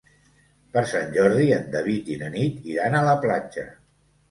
Per Sant Jordi en David i na Nit iran a la platja.